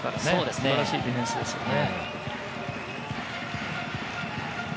素晴らしいディフェンスですよね。